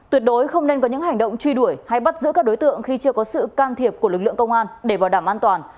tuyệt đối không nên có những hành động truy đuổi hay bắt giữ các đối tượng khi chưa có sự can thiệp của lực lượng công an để bảo đảm an toàn